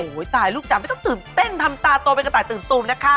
โอ้โหตายลูกจ๋าไม่ต้องตื่นเต้นทำตาโตไปกระต่ายตื่นตูมนะคะ